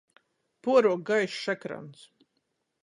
Puoruok gaišs ekrans.